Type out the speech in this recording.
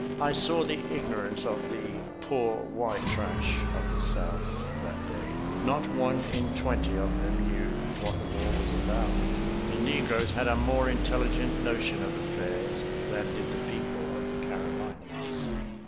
I saw the ignorance of the "poor white trash" of the South that day. Not one in twenty of them knew what the war was about. The negroes had a more intelligent notion of affairs than did the people of the Carolinas.